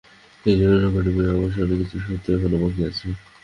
এ-জীবনের নৌকোডুবির অবসানে কিছু সত্য এখনও বাকি আছে।